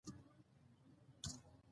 زه د ورځې پلان د وخت د تنظیم لپاره جوړوم.